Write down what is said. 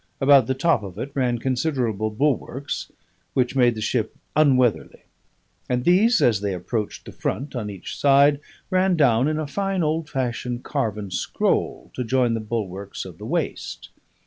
About the top of it ran considerable bulwarks, which made the ship unweatherly: and these, as they approached the front on each side, ran down in a fine, old fashioned, carven scroll to join the bulwarks of the waist.